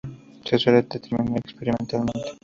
Se suele determinar experimentalmente.